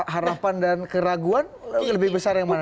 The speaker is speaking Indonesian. harapan dan keraguan lebih besar yang mana